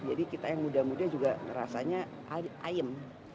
jadi kita yang muda muda juga rasanya ayem